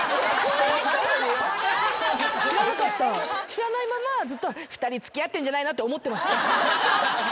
知らないままずっと２人付き合ってんじゃないの？って思ってました。